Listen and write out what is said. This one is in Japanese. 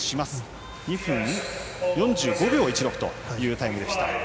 ２分４５秒１６というタイム。